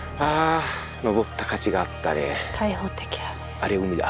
あれ海だ。